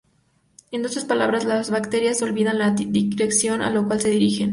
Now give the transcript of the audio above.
En otras palabras, las bacterias olvidan la dirección a la cual se dirigen.